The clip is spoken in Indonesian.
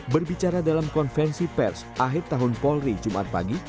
berbicara dalam konferensi pers akhir tahun polri jumat pagi